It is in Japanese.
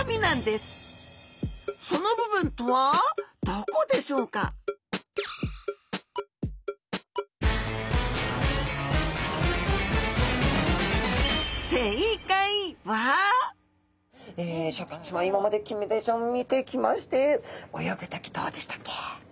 突然ですがここできれいなシャーク香音さま今までキンメダイちゃんを見てきまして泳ぐ時どうでしたっけ？